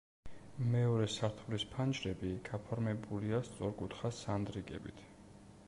მეორე სართულის ფანჯრები გაფორმებულია სწორკუთხა სანდრიკებით.